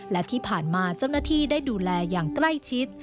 และที่ผ่านมาเจ้าหน้าที่ได้ดูแลอย่างใกล้ชิด